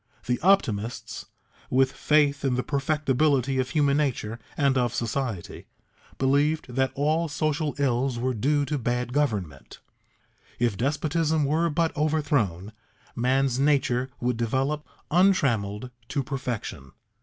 The optimists, with faith in the perfectability of human nature and of society, believed that all social ills were due to bad government; if despotism were but overthrown, man's nature would develop, untrammeled, to perfection.